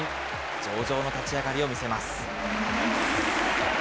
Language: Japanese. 上々の立ち上がりを見せます。